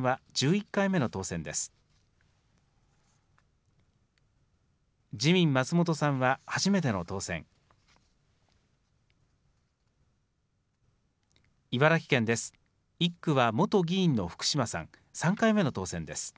１区は元議員の福島さん、３回目の当選です。